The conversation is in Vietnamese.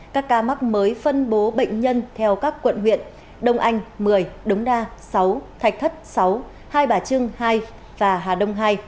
các ca mắc mới phân bố bệnh nhân theo các quận huyện đông anh một mươi đống đa sáu thạch thất sáu hai bà trưng hai và hà đông hai